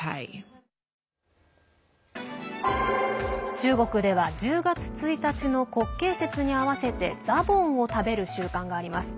中国では１０月１日の国慶節に合わせてザボンを食べる習慣があります。